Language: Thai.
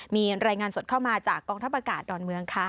มีรายงานสดเข้ามาจากกองทัพอากาศดอนเมืองค่ะ